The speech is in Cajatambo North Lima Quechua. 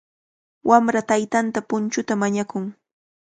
Wamra taytanta punchuta mañakun.